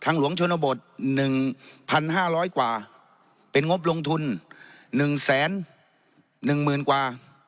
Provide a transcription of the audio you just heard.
ทางหลวงชนบทหนึ่งพันห้าร้อยกว่าเป็นงบลงทุนหนึ่งแสนหนึ่งหมื่นกว่า